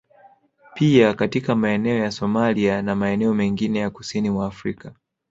Pia katika maeneo ya Somalia na maeneo mengine ya kusini mwa Afrika